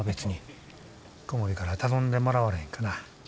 小森から頼んでもらわれへんかな。